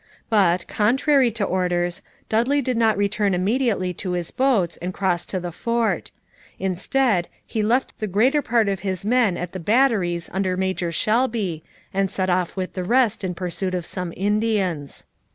But, contrary to orders, Dudley did not return immediately to his boats and cross to the fort; instead, he left the greater part of his men at the batteries under Major Shelby and set off with the rest in pursuit of some Indians.